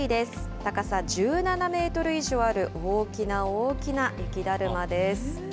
高さ１７メートル以上ある、大きな大きな雪だるまです。